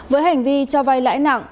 với hành vi cho vay lãi nặng